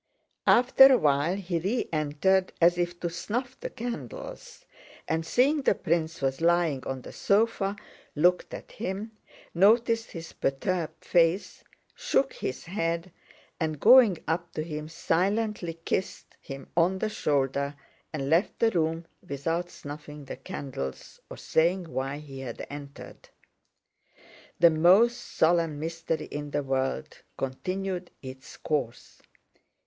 After a while he re entered it as if to snuff the candles, and, seeing the prince was lying on the sofa, looked at him, noticed his perturbed face, shook his head, and going up to him silently kissed him on the shoulder and left the room without snuffing the candles or saying why he had entered. The most solemn mystery in the world continued its course.